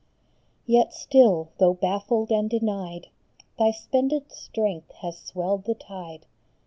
Yet still, though baffled and denied, Thy spended strength has swelled the tide.